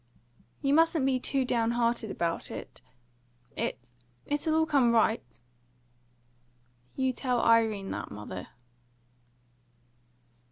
"You mustn't be too down hearted about it. It it'll all come right " "You tell Irene that, mother."